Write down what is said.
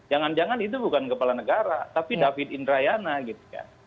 jangan jangan itu bukan kepala negara tapi david indrayana gitu kan